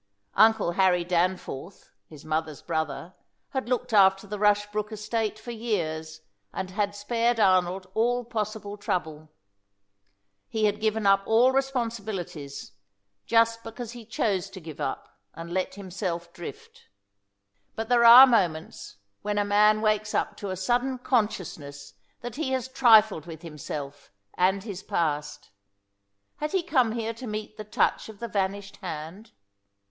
Uncle Harry Danforth, his mother's brother, had looked after the Rushbrook estate for years, and had spared Arnold all possible trouble. He had given up all responsibilities, just because he chose to give up and let himself drift. But there are moments when a man wakes up to a sudden CONSCIOUSNESS that he has trifled with himself and his past. Had he come here to meet the touch of the vanished hand?